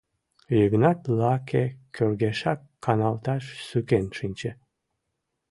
Йыгнат лаке кӧргешак каналташ сукен шинче.